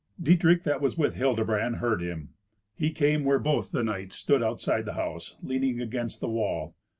Dietrich, that was with Hildebrand, heard him. He came where both the knights stood outside the house, leaning against the wall.